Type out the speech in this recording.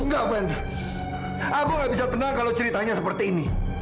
enggak ben aku nggak bisa tenang kalau ceritanya seperti ini